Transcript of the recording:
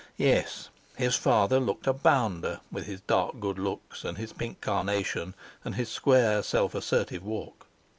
Yes, his father looked a bounder with his dark good looks, and his pink carnation, and his square, self assertive walk.